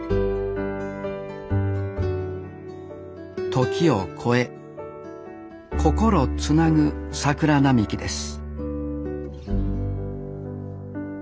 時を超え心つなぐ桜並木です